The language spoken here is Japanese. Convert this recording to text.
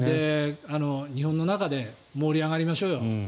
日本の中で盛り上がりましょうよ。